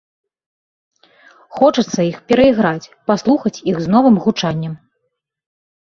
Хочацца іх перайграць, паслухаць іх з новым гучаннем.